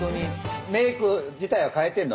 メーク自体は変えてんの？